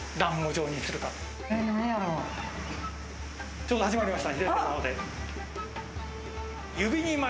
ちょうど始まりました。